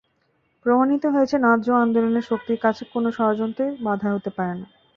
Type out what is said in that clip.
প্রমাণিত হয়েছে, ন্যায্য আন্দোলনের শক্তির কাছে কোনো ষড়যন্ত্রই বাধা হতে পারে না।